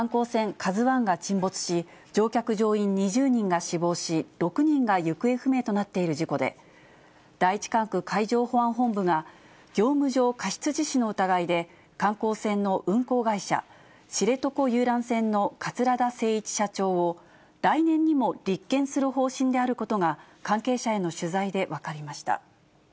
ＫＡＺＵＩが沈没し、乗客・乗員２０人が死亡し、６人が行方不明となっている事故で、第１管区海上保安本部が、業務上過失致死の疑いで、観光船の運航会社、知床遊覧船の桂田精一社長を、来年にも立件する方針であることが、関係者への取材で分かりました。